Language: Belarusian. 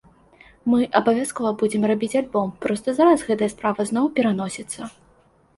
Мы абавязкова будзем рабіць альбом, проста зараз гэтая справа зноў пераносіцца.